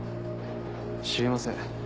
知りません。